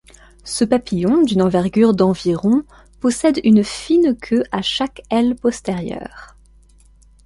Ce papillon d'une envergure d'environ possède une fine queue à chaque aile postérieure.